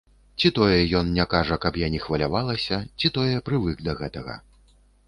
Ці тое ён не кажа, каб я не хвалявалася, ці тое прывык да гэтага.